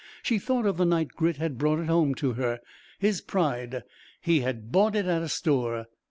She thought of the night Grit had brought it home to her, his pride he had bought it at a store.